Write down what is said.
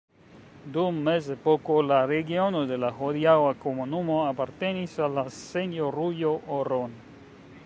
Dum mezepoko la regiono de la hodiaŭa komunumo apartenis al la Senjorujo Oron.